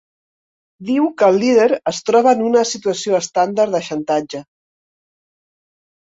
Diu que el líder es troba en una situació estàndard de xantatge.